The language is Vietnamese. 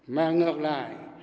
mà ngược lại